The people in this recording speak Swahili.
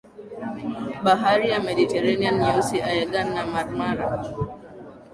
bahari ya Mediterranean Nyeusi Aegean na Marmara